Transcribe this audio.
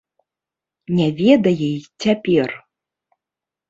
Не ведае й цяпер.